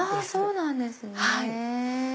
そうなんですね。